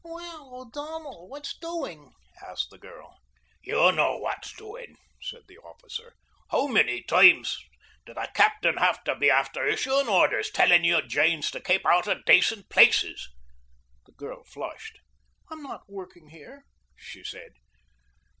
"Well, O'Donnell, what's doing?" asked the girl. "You know what's doing," said the officer. "How miny toimes do the capt'in have to be afther isshuin' orrders tellin' you janes to kape out uv dacent places?" The girl flushed. "I'm not working here," she said.